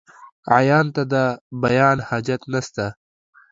عيان ته ، د بيان حاجت نسته.